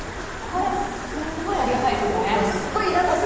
これ、すごいありがたいですよね